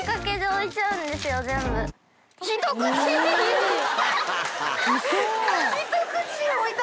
ひと口！